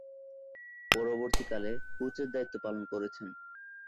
পরবর্তীকালে কোচের দায়িত্ব পালন করেছেন।